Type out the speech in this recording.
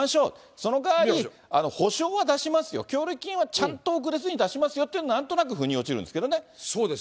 そのかわり補償は出しますよ、協力金はちゃんと遅れずに出しますよって言うんだったら、ふに落そうです、そうです。